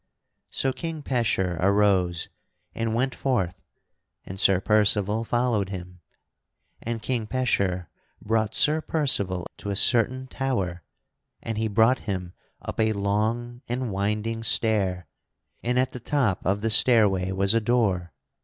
So King Pecheur arose and went forth and Sir Percival followed him. And King Pecheur brought Sir Percival to a certain tower; and he brought him up a long and winding stair; and at the top of the stairway was a door.